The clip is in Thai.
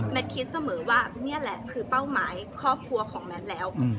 คิดเสมอว่านี่แหละคือเป้าหมายครอบครัวของแมทแล้ว